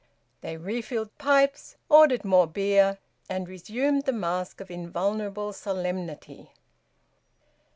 They refilled pipes, ordered more beer, and resumed the mask of invulnerable solemnity.